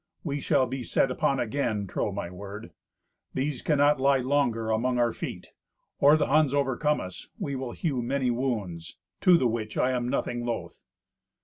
We shall be set upon again; trow my word. These cannot lie longer among our feet. Or the Huns overcome us, we will hew many wounds; to the which I am nothing loth."